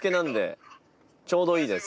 ちょうどいいです。